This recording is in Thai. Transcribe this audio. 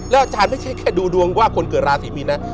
อาจารย์ไม่ใช่แค่ดูดวงว่าคนเกิดราศีมีนนะ